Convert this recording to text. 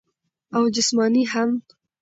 او جسماني هم -